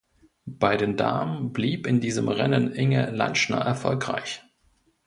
Bei den Damen blieb in diesem Rennen Inge Lantschner erfolgreich.